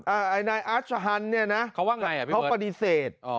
อ่าไอ้นายอาชะฮันเนี่ยนะเขาว่าไงอ่ะพี่เฮิร์ดเขาปฏิเสธอ๋อ